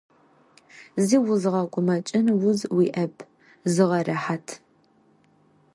Зи узгъэгумэкӏын уз уиӏэп, зыгъэрэхьат.